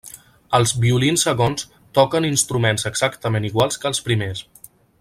Els violin segons toquen instruments exactament iguals que els primers.